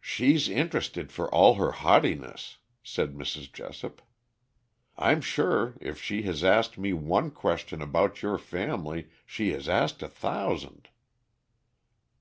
"She's interested for all her haughtiness," said Mrs. Jessop. "I'm sure if she has asked me one question about your family, she has asked a thousand."